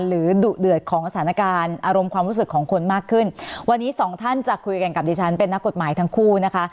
ดุเดือดของสถานการณ์อารมณ์ความรู้สึกของคนมากขึ้นวันนี้สองท่านจะคุยกันกับดิฉันเป็นนักกฎหมายทั้งคู่นะคะ